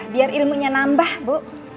biar ilmunya nambah bu